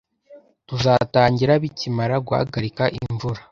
Tuzatangira bikimara guhagarika imvura.